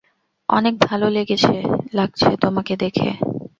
অনেক ভালো লাগছে তোমাকে দেখে।